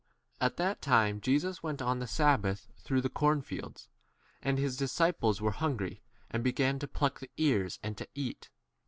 At that time Jesus went on the sabbath through the corn fields ; and his disciples were hun gry, and began to pluck the ears 2 and to eat.